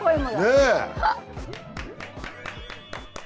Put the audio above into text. ねえ！